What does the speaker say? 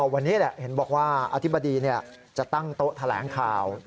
วันนี้แหละเห็นบอกว่าอธิบดีจะตั้งโต๊ะแถลงข่าว